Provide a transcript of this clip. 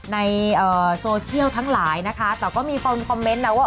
ในโซเชียลทั้งหลายนะคะแต่ก็มีคนคอมเมนต์นะว่า